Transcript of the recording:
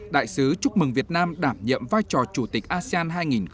đại sứ chúc mừng việt nam đảm nhiệm vai trò chủ tịch asean hai nghìn hai mươi